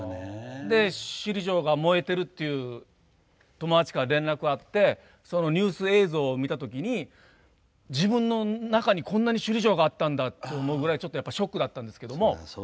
首里城が燃えてるって友達から連絡があってそのニュース映像を見たときに自分の中にこんなに首里城があったんだって思うぐらいショックだったんですけど。